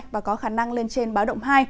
và có khả năng lên trên báo động hai